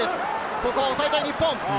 ここは抑えたい日本。